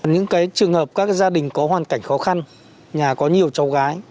những trường hợp các gia đình có hoàn cảnh khó khăn nhà có nhiều cháu gái